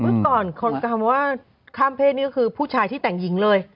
เมื่อก่อนคนคำว่าข้ามเพศนี่ก็คือผู้ชายที่แต่งหญิงเลย